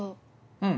うん。